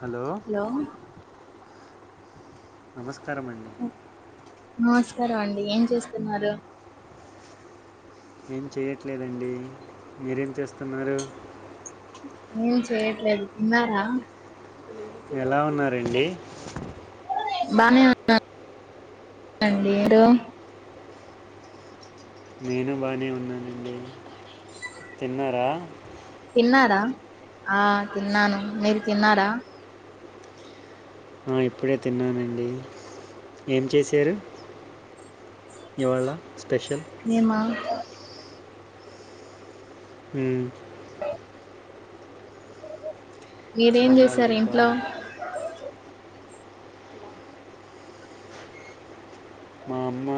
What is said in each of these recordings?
Hello hello నమస్కారం అం నమస్కారం అండి ఏం చేస్తున్నారు ఏం చేయట్లేదండి మీరేం చేస్తున్నారు ఏం చెయట్లేదు తిన్నారా ఎలా ఉన్నారండి బానే ఉన్నాండి మీరు నేను బానే ఉన్నానండి తిన్నారా తిన్నారా ఆ తిన్నాను మీరు తిన్నారా ఆ ఇప్పుడే తిన్నానండి ఏం చేశారు ఇవాళ స్పెషల్ మేమా ఉ మీరేం చేసారు బంగాళదుంప ఇంట్లో మా అమ్మ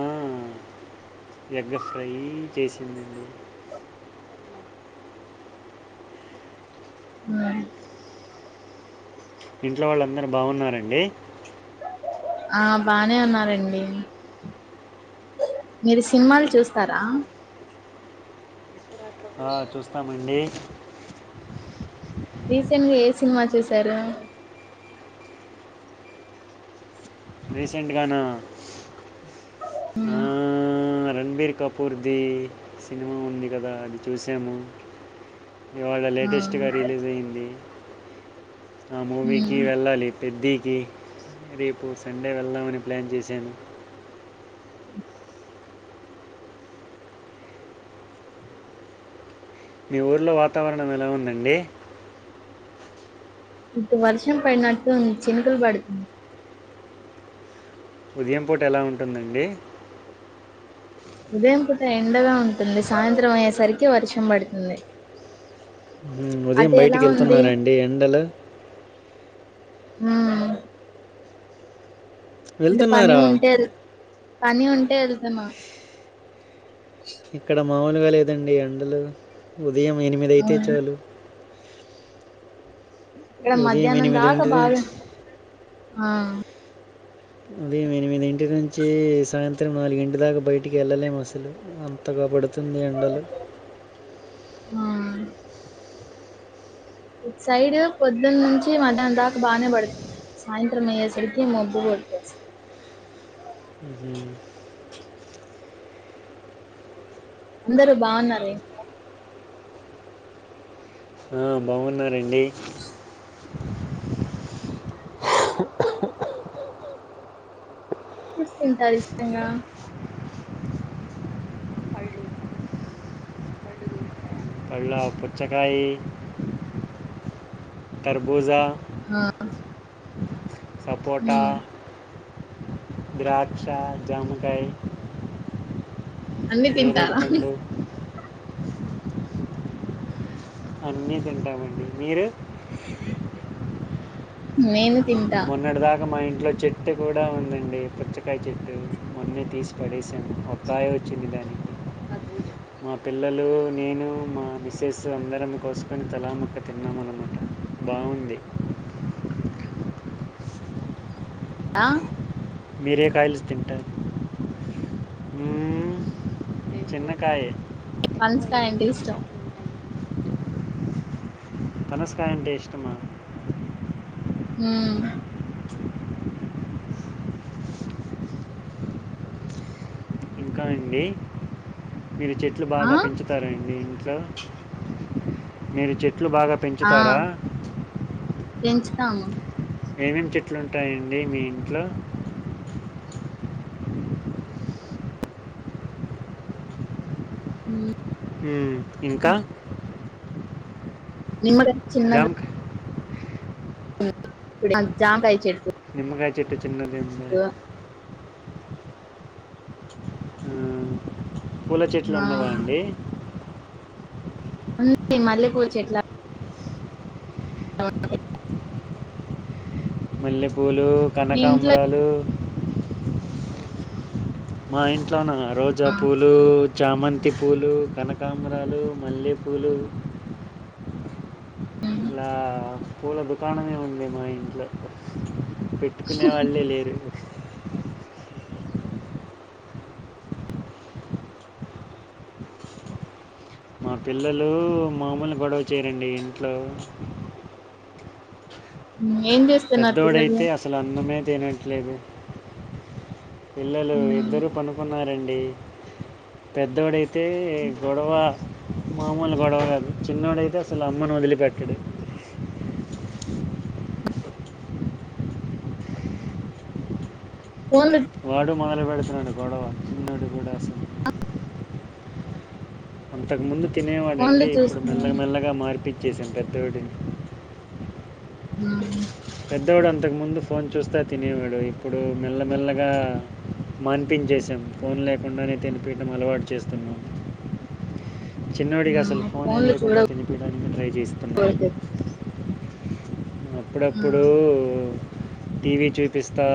ఎగ్గ ఫ్రై చేసిందండి ఉ ఇంట్లో వాళ్ళందరు బాగున్నారండి ఆ బానే ఉన్నారండి మీరు సినిమాలు చూస్తారా ఆ చూస్తామండి రీసెంట్ గా ఏ సినిమా చూశారు రీసెంట్ గాన ఆ ఉమ్, రణబీర్ కపూర్ది సినిమా ఉంది కదా అది చూసాము ఇవాళ ఆ లేటెస్ట్ గా రిలీజ్ అయింది ఆ మూవీకి ఉమ్. వెళ్ళాలి పెద్దికి రేపు సండే వెళ్దామని ప్లాన్ చేశాను అ మీ ఊరిలో వాతావరణం ఎలా ఉందండి ఇటు వర్షం పడినట్టు చినుకులు పడుతుంది ఉదయం పూట ఎలా ఉంటుందండి ఉదయం పూట ఎండగా ఉంటుంది సాయంత్రం అయ్యేసరికి వర్షం పడుతుంది హ్మ్. ఉదయం అటు ఎలా బయటికి ఉంది వెళ్తున్నారా అండి ఎండలు ఊ అంటే పని వెళ్తున్నారా? ఉంటే వెళ్ పని ఉంటే వెళ్తున్న ఇక్కడ మాములుగా లేదండి ఎండలు ఉదయం ఎనిమిది అయితే అవును చాలు ఇక్కడ ఉదయం మధ్యాహ్నం దాకా బాగా నుంచి ఆ ఉదయం ఎనిమిది ఇంటి నుంచి సాయంత్రం నాలుగింటి దాకా బయటికి వెళ్ళలేము అసలు అంతగాబడుతుంది ఎండలు ఆ సైడ్ పొద్దున్న నుంచి మధ్యాహ్నం దాకా బానే ప సాయంత్రం అయ్యేసరికి మబ్బు [unintelligible] ఉహు అందరు బాగున్నారే ఆ బాగున్నారండి చూసుకుంటారు [unintelligible] పళ్ళు ఆ పుచ్చకాయీ కర్బుజ ఆ సపోట ఉమ్ ద్రాక్ష జమకాయ్ అన్ని తింటావ నేరేడు పండు అన్నీ తింటామండి మీరు మేము మొన్నటి దాక మా ఇంట్లో వ చె [unintelligible] కూడ ఉందండి పుచ్చకాయ చెట్టు మొన్న తీసి పడేసాం [unintelligible] వచ్చింది దానికి మా పిల్లలు నేను మా మిసెస్ అందరం కోసుకొని తలాముక్క [unintelligible] తిరున్నా అనమాట బాగుంది ఆ మీరే కాయలు [unintelligible] తింట ఈ చిన్నకాయే పనస కాయ్ అంటే ఇష్టం ఉంటాయి [unintelligible] ఇష్టమా హ ఇంకా అండి మీరు చెట్లు బాగ ఆ పెంచు [unintelligible] ఇంట్లో మీరు చెట్లు బాగ ఆ పెంచుతాము ఏమేం చెట్లు ఉంటాయండి మీ ఇంట్లో ఉ హు ఇంక [unintelligible] జామకాయ జామ్కాయ్ [unintelligible] నిమ్కాయ చెుట్టు చిన్నది ఉంద హు పూల చెట్లు ఆ ఉన్నవ అండి ఉంది మళ్ళీ పుచ్చెట్ల మల్లెపూలు మీ ఇంట్లో కనకాంబరాలు మా ఇంట్లోన రోజా ఆ పూ [unintelligible] పూలు చామంతి పూలు కనక [unintelligible] రాలు మల్లెపూలు ఇలా పూల దుకాణమే ఉంది మా ఇంట్లో పెట్ పెట్టుకునే వాళ్ళే లేరు మా పిల్లలు [unintelligible] గొడవ చేయరండి ఇంట్లో ఏం చేస్ పెద్దోడైతే అసలు అన్నమే తినట్లేదు పిల్లలు మ్మ్ ఇద్దరూ పడుకున్నారండి పెద్దోడేయితే గొడవ మామూలు గొడవ కాదు చిన్నోడేతే అసలు అమ్మను వదిలిపెట్టండు ఫోను వాడు మొదలు పెడుతున్నాడు గొడవ చిన్నడు కూడా వస్తే అంతకుముందు ఫోన్లు తినేవాడండి ఇప్పుడు మెల్లగా చూస్తున్నారు మెల్లగా మార్పిచ్చేసాం పెద్దోడు ఆ పెద్దోడు అంతకుముందు ఫోన్ చూస్తే తినేవాడు ఇప్పుడు మెల్లమెల్లగా మాన్పించేసాం ఫోన్ లేకుండానే తినిపియటం అలవాటు చేస్తున్నాం చిన్నోడికి అసలు మ్మ్ ఫోనే లేకుండా తినిపియడానికి ట్రై చేస్త ఓకే అప్పుడప్పుడు మ్మ్ టీవీ చూపిస్తా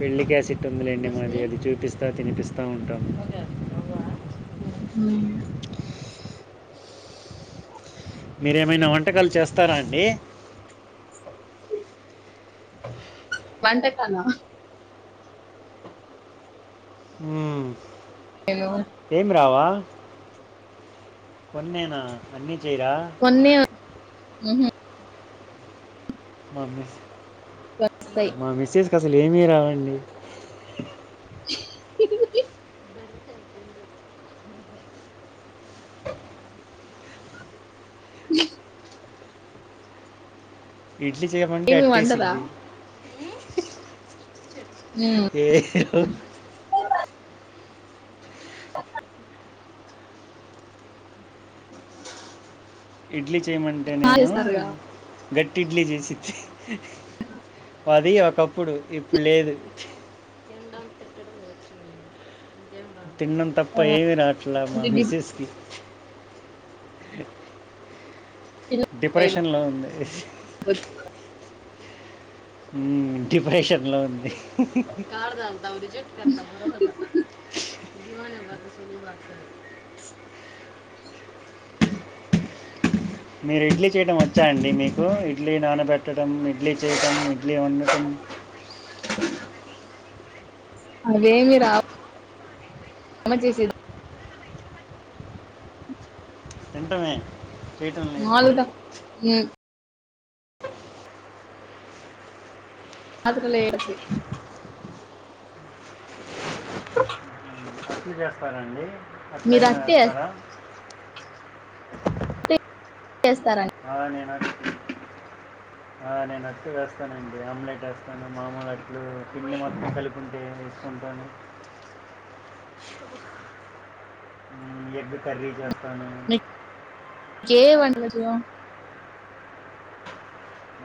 పెళ్ళి క్యాసిట్ ఉందిలేండి మాది అది చూపిస్తా తినిపిస్తా ఉంటాము ఉ మీరేమైనా వంటకాలు చేస్తారా అండి వంటకాలా ఊ హలో ఏమి రావా కొన్నేన అన్నీ జేయరా కొన్నే వచ్ ఊహు ప్రామిస్ వస్తమ్ మా మెస్సేస్ కు అసలు ఏమీ రావండి చ్ చ్ ఇడ్లీ చేయమంటే ఏమి వండరా అట్టేసిద్ధి మ్మ్ ఏ హోహో ఇడ్లీ బాగా చేయమంటేనేమో చేస్తారుగా బ్రెడ్ ఇడ్లీ చేసిద్ధి అది ఒకప్పుడు ఇప్పుడు లేదు తినడం తిట్టడం వచ్చింది ఇంకేం రాదు. తినడం తప్ప ఏమి రాట్లే మా అంటే డిప్ మిస్సెస్ కి డిప్రెషన్ లో ఉందీ వద్దు ఇగా ఊ డిప్రెషన్ లో ఉంది రిజెక్ట్ కర్త మీరు ఇడ్లీ చేయడం వచ్చా అండి మీకు ఇడ్లీ నానబెట్టడం ఇడ్లీ చేయడం ఓకే వండడం అవేవిరావు ఉప్మా చేసేద తింటామే ఉల్లిగడ్డ టమాట ఊ అందులో వేసి అట్లు చేస్తారండి మీరు అట్లయినా అట్టే ఏస్తారా చేస్తార ఆ నేనా ఆ నేను అట్లు వేస్తానండి ఆమ్లెట్ ఎస్తాను మాములు అట్లు పిండి మొత్తం కలిపుంటే [inaudible] ఎగ్ కర్రీ చేస్తాను ఏ ఎ వంటలజో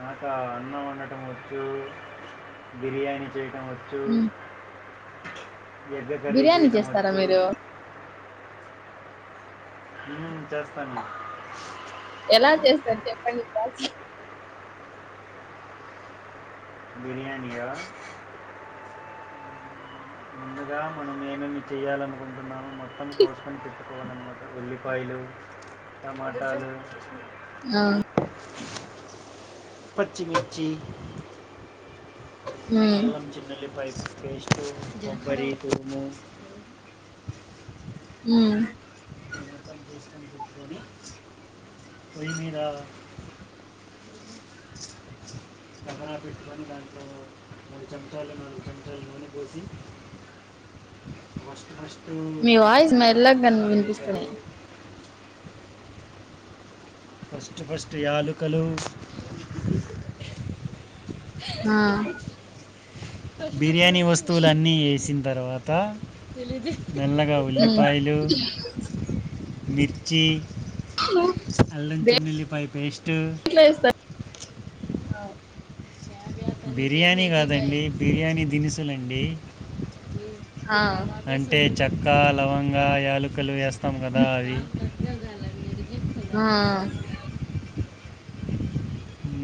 నాకా అన్నం వండటం వచ్చు బిర్యానీ చేయటం వ చ్చు మ్మ్ ఎగ్ కర్రీ బిర్యానీ చేయడం చేస్తారా ఒచ్చు మీరు ఊ చేస్తాన ఎలా చేస్తారు చెప్పండి ప్ర బిర్యానియా ముందుగా మనం ఏమేమి చేయాలనుకుంటున్నామొ మొత్తం కోసుకొని పెట్టుకో కోవాలన్నమాట ఉల్లిపాయలు టమాటాలు ఆ పచ్చీ మిర్చి ఉమ్ అల్లం చిన్నుల్లిపాయస్ పేస్టు కొబ్బరి తురుము ఉమ్ పోయిమీద కడాయిపెట్టుకొని దాంట్లో మూడు చెంచాలు నాలుగు చెంచాలు నూనె పోసి బుష్ బుష్ మీ వాయిస్ మెల్లాగ్ కన్ వినిపిస్తుని ఫస్ట్ ఫస్ట్ యాలుకలు ఆ బిర్యానీ వస్తువులు అన్నీ ఏసిన్ తర్వాత మెల్లగా ఉమ్ ఉల్లిపాయలు మిర్ చ్చి అల్లం చిన్నెల్లిపాయ పేస్టు చెస్త ఆ బిర్యానీ కాదండి బిర్యానీ దినుసులండి ఆ అంటే చెక్క లవంగా యాలకలు యాస్తాం కదా అవి ఆ అ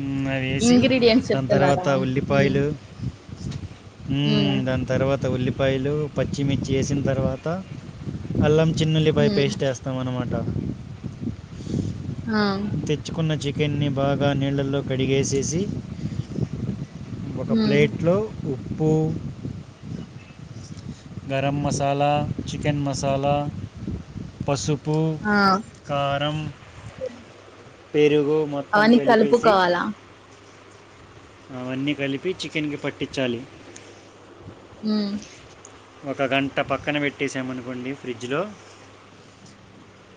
ఉమ్ అవేసి ఇంగ్రీడియంట్స్ దాన్ చెప్తున్నారా తర్వాత ఉమ్ ఉల్లిపాయలు ఉం ఉమ్ దాన్ తర్వాత ఉల్లిపాయలు పచ్చిమిర్చి ఏసిన్ తర్వాత అల్లం చిన్నుల్లిపై ఉమ్ పేస్ట్ ఏస్తాం అనమాట ఆ తెచ్చుకున్న చికెన్ని బాగా నీళ్ళలో కడిగేసేసి ఒక ఉమ్ ప్లేట్లో ఉప్పు గరమ్ మసాలా చికెన్ మసాలా పసుపు ఆ కారం పెరుగు మొ అవన్నికలుపుకోవాలా అవన్నీ కలిపి చికెన్కి పట్టిచాలి ఉ ఒక గంట పక్కన పెట్టేసామనుకోండి ఫ్రిడ్జ్లో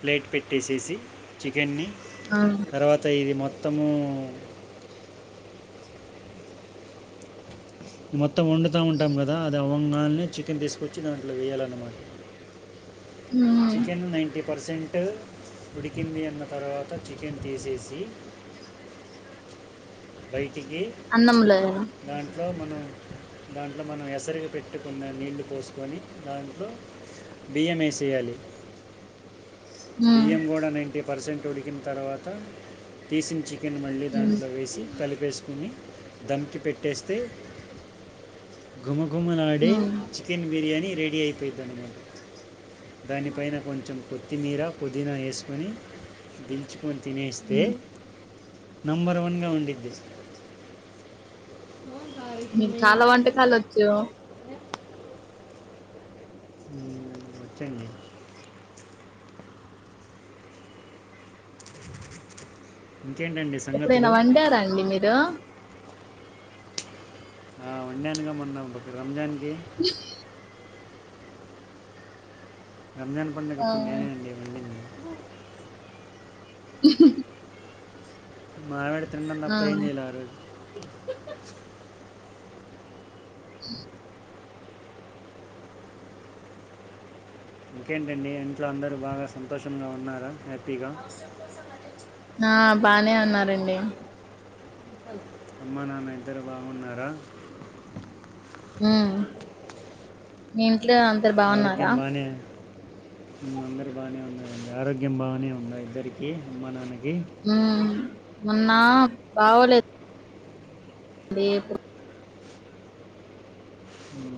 ప్లేట్ పెట్టేసేసి చికెన్ని అ తర్వాత ఇది మొత్తము మొత్తం వండుతాఉంటాం కదా అది అవగానె చికెన్ తీసుకొచ్చి దాంట్లో వేయాలీ అన్నమాట హ్మ చికెన్ నైంటీ పర్సెంట్ ఉడికింది అన్న తర్వాత చికెన్ తీసేసి బైటికి అన్నములో ఏయల దాంట్లో మనం దాంట్లో మనం ఎసురికి పెట్టుకున్న నీళ్లు పోసుకొని దాంట్లో బియ్యంఏసయాలి ఉమ్ బియ్యం కూడా నైంటీ పర్సెంట్ ఉడికిన తర్వాత తీసిన చి చికెన్ మళ్ళీ ఉమ్ దాంట్లో వేసి కలిపేసుకుని దమ్కి పెట్టేస్తే ఘుమఘుమలాడే ఉమ్ చికెన్ బిర్యానీ రెడీ అయిపోతుంది దానిపైన కొంచెం కొత్తిమీర పుదీనా వేసుకొని దించుకొని తినేస్తే ఉమ్ నంబర్ వన్గా ఉండిది మీకు చాలా వంటకాలు వచ్చు ఒచు అండి ఇంకేంటండి సం ఎప్పుడైనా వండారా అండి మీరు ఆ వండనుగ మొన్న ఒక రంజాన్ కి రంజాన్ పండుగప్పుడు నేను అండి వండింది [inaudible] మా ఆవిడ తినడం తప్ప ఆ ఏమి చెయ్యాలే ఆరోజు అఆమ్ [inaudible] ఇంకేంటి అండి ఇంట్లో అందరూ బాగా సంతోషంగా ఉన్నారా హ్యాపీగా హా బానే ఉన్నారు అండి అమ్మా నాన్న ఇద్దరు బాగున్నారా హ్మ మీ ఇంట్లో అం ఆరోగ్యం బానే హ్మ అందరు బాగానే ఉన్నారండి ఆరోగ్యం బాగానే ఉంద ఇద్దరికి అమ్మ నాన్నకి హ్మ మొన్న బాగోలేదు రేపు